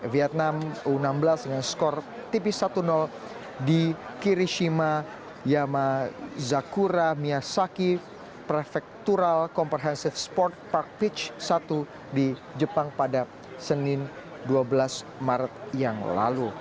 vietnam u enam belas dengan skor tipis satu di kirishima yama zakura miyasaki prefektural comprehensive sport park pitch satu di jepang pada senin dua belas maret yang lalu